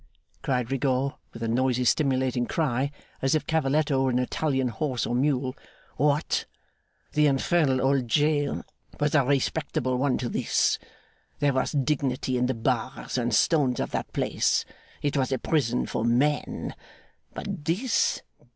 cried Rigaud, with a noisy stimulating cry, as if Cavalletto were an Italian horse or mule. 'What! The infernal old jail was a respectable one to this. There was dignity in the bars and stones of that place. It was a prison for men. But this?